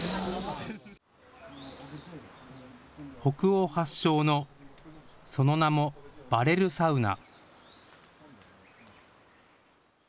北欧発祥のその名もバレルサウナ。